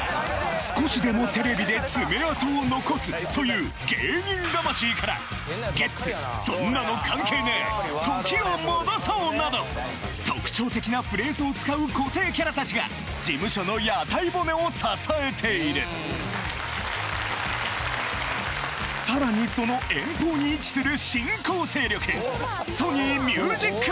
少しでもテレビで爪痕を残すという芸人魂からなど特徴的なフレーズを使う個性キャラ達が事務所の屋台骨を支えているさらにその遠方に位置する新興勢力